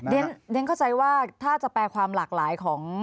เรียนเข้าใจว่าถ้าจะแปลความหลากหลายของ